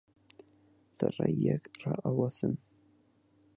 لە ڕێی یەک ڕائەوەسن